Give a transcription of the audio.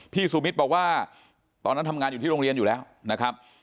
สุมิตรบอกว่าตอนนั้นทำงานอยู่ที่โรงเรียนอยู่แล้วนะครับ